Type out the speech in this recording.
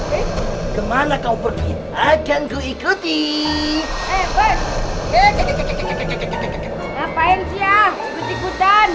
hai kemana kau pergi agengku ikuti kekekekekekekekeke ngapain siah ikutan